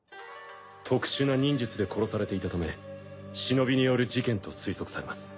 特殊な忍術で殺されていたため忍による事件と推測されます。